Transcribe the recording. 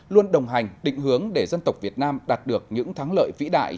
luôn đồng hành định hướng để dân tộc việt nam đạt được những thắng lợi vĩ đại